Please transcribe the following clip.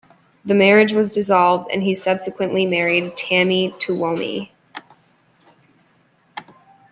The marriage was dissolved and he subsequently married Tammy Twomey.